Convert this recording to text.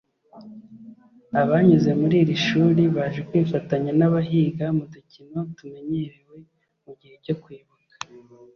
Abanyuze muri iri shuri baje kwifatanya n'abahiga mu dukino tumenyerewe mu gihe cyo kwibuka